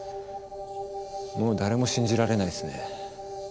もう誰も信じられないっすね。